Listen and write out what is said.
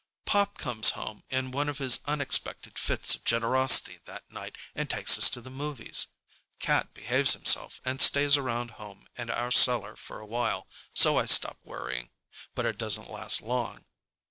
Pop comes home in one of his unexpected fits of generosity that night and takes us to the movies. Cat behaves himself and stays around home and our cellar for a while, so I stop worrying. But it doesn't last long.